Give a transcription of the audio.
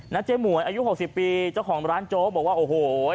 เจ๊หมวยอายุ๖๐ปีเจ้าของร้านโจ๊กบอกว่าโอ้โห